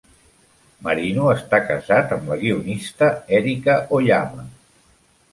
Marino està casat amb la guionista Erica Oyama.